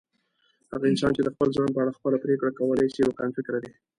هغه انسان چي د خپل ځان په اړه خپله پرېکړه کولای سي، روښانفکره دی.